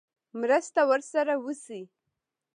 مرسته ورسره وشي.